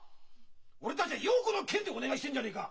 俺たちは陽子の件でお願いしてんじゃねえか。